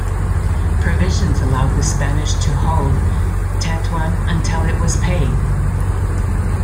Provisions allowed the Spanish to hold Tetouan until it was paid.